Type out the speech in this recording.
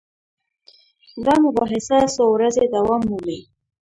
دا مباحثه څو ورځې دوام مومي.